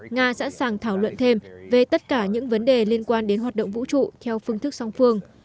nga sẵn sàng thảo luận thêm về tất cả những vấn đề liên quan đến hoạt động vũ trụ theo phương thức song phương